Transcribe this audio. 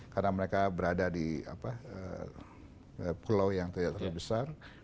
karena mereka berada di pulau yang terbesar